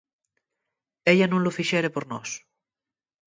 Ella nun lo fixere por nós.